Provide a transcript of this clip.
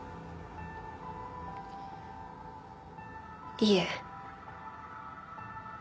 いえ。